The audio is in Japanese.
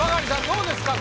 どうですか